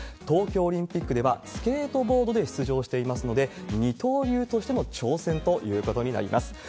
東京オリンピックではスケートボードで出場していますので、二刀流としての挑戦ということになります。